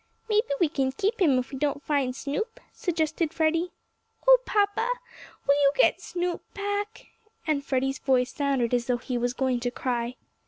"Maybe we can keep him if we don't find Snoop?" suggested Freddie. "Oh, papa, will you get Snoop back?" and Freddie's voice sounded as though he was going to cry.